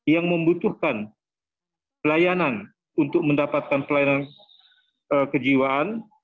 yang membutuhkan pelayanan untuk mendapatkan pelayanan kejiwaan